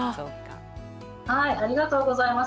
ありがとうございます。